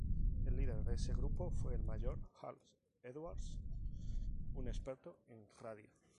El líder de ese grupo fue el Mayor Hall-Edwards, un experto en radio.